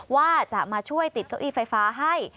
ว่าจะมาช่วยติดเก้าอี้ไฟฟ้าให้